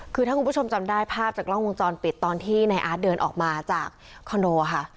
คือถ้าคุณผู้ชมจำได้ภาพจากกล้องวงจรปิดตอนที่ในอาร์ตเดินออกมาจากคอนโดค่ะ